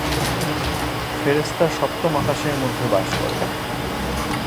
ফেরেশতা সপ্তম আকাশের মধ্যে বাস করে।